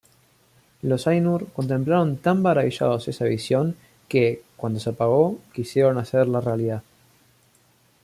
Los Ainur contemplaron tan maravillados esa visión, que, cuando se apagó, quisieron hacerla realidad.